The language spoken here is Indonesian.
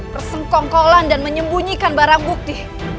bersengkong kolam dan menyembunyikan barang bukti